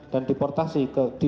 dan dideportasi ke australia